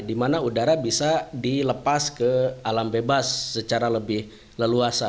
di mana udara bisa dilepas ke alam bebas secara lebih leluasa